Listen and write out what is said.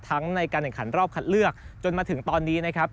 ในการแข่งขันรอบคัดเลือกจนมาถึงตอนนี้นะครับ